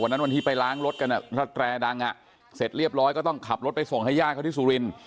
วันที่ไปล้างรถกันถ้าแตรดังอ่ะเสร็จเรียบร้อยก็ต้องขับรถไปส่งให้ญาติเขาที่สุรินทร์